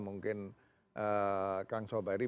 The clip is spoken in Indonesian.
mungkin kang sobari